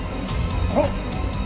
あっ。